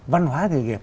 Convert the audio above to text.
văn hóa nghề nghiệp